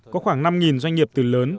có khoảng năm doanh nghiệp từ lớn